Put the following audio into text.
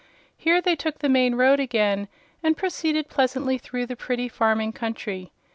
Here they took the main road again and proceeded pleasantly through the pretty farming country.